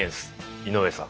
井上さん。